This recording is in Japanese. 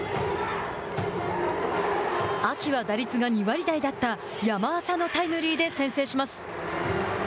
秋は打率が２割台だった山浅のタイムリーで先制します。